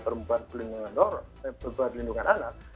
perempuan perlindungan anak